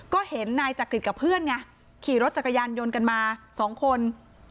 ก็เห็นนายจักริตกับเพื่อนไงขี่รถจักรยานยนต์กันมาสองคน